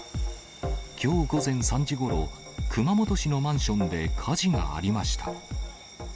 きょう午前３時ごろ、熊本市のマンションで火事がありました。